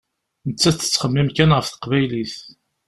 Nettat tettxemmim kan ɣef teqbaylit.